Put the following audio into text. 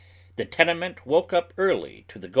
The tenement woke np early to the go!